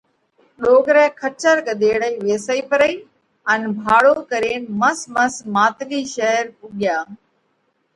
ڏوڪرئہ کچر ڳۮيڙئِي ويسئِي پرئي ان ڀاڙو ڪرينَ مس مس ماتلِي شير پُوڳيا۔